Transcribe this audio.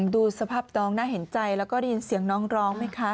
ดูสภาพน้องน่าเห็นใจแล้วก็ได้ยินเสียงน้องร้องไหมคะ